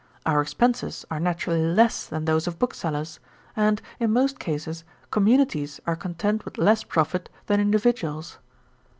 Our expences are naturally less than those of booksellers; and, in most cases, communities are content with less profit than individuals.